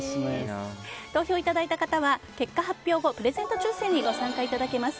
投票いただいた方は結果発表後プレゼント抽選にご参加いただけます。